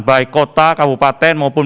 baik kota kabupaten maupun